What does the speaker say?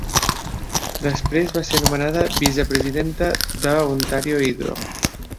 Després va ser nomenada vicepresidenta de Ontario Hydro.